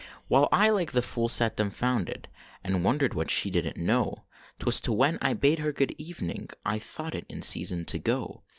Well I like a fool sat dumfounded, And wondered what she didn t know. Twas 10 when I bade her good evening, I thought it in season to go.